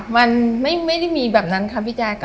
ไม่มีแบบนั้นค่ะปิจัย